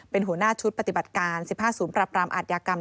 เป็นหัวหน้าชุดปฏิบัติการ๑๕ศูนย์ปรับรามอาทยากรรม